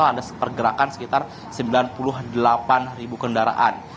ada pergerakan sekitar sembilan puluh delapan ribu kendaraan